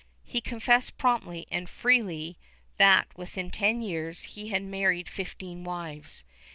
He confessed promptly and freely that within ten years he had married fifteen wives.